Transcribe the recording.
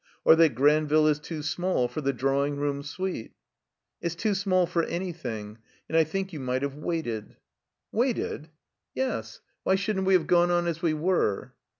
Or that Gran ville is too small for the drawing room suite?" "It's too small for anjrthing. And I think you might have waited." 140 THE COMBINED MAZE ''Waited?" "Yes. Why shouldn't we have gone on as we were?"